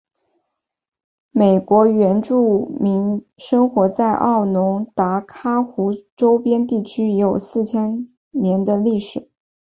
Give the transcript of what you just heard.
美国原住民生活在奥农达伽湖周边地区已有四五千年的历史。